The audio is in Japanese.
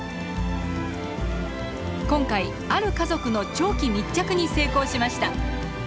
今回ある家族の長期密着に成功しました。